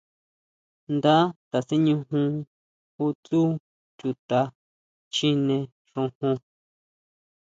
Nda taseñujun ju tsú chuta chjine xojon.